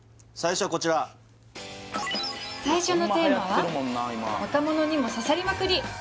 最初はこちら最初のテーマは若者にも刺さりまくり